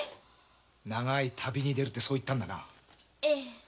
長い旅に出るそう言ったんだな？